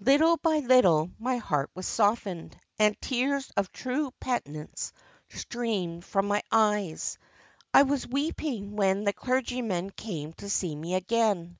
"Little by little my heart was softened, and tears of true penitence streamed from my eyes. I was weeping when the clergyman came to see me again.